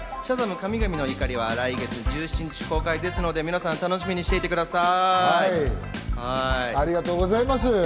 神々の怒り』は来月１７日公開ですので、楽しみにしていてください！